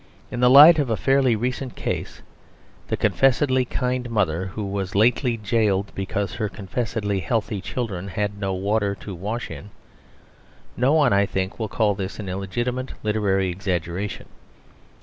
In the light of a fairly recent case (the confessedly kind mother who was lately jailed because her confessedly healthy children had no water to wash in) no one, I think, will call this an illegitimate literary exaggeration.